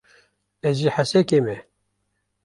Ez ji Hesekê me.